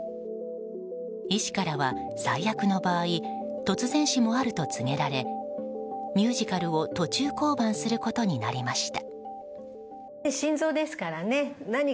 医師からは最悪の場合突然死もあると告げられミュージカルを途中降板することになりました。